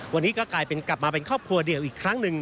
วันนี้ก็กลายเป็นกลับมาเป็นครอบครัวเดียวอีกครั้งหนึ่ง